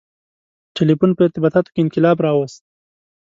• ټیلیفون په ارتباطاتو کې انقلاب راوست.